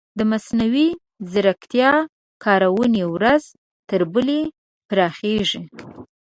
د مصنوعي ځیرکتیا کارونې ورځ تر بلې پراخیږي.